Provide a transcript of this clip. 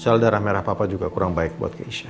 sel darah merah papa juga kurang baik buat keisha